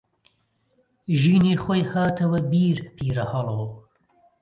ژینی خۆی هاتەوە بیر پیرەهەڵۆ